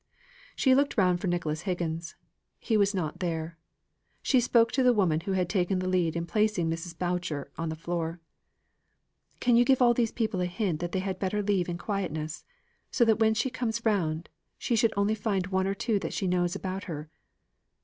She looked round for Nicholas Higgins. He was not there. So she spoke to the woman who had taken the lead in placing Mrs. Boucher on the floor. "Can you give all these people a hint that they had better leave in quietness? So that when she comes round, she could only find one or two that she knows about her.